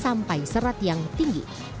sampai serat yang tinggi